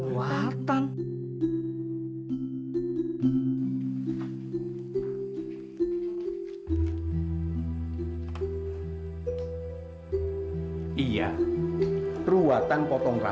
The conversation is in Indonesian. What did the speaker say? pergi pergi pergi